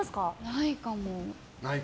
ないかも。